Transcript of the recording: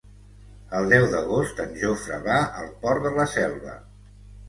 El deu d'agost en Jofre va al Port de la Selva.